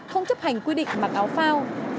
không chấp hành quy định mặc áo phao